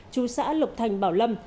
chú xã lục thành bảo lâm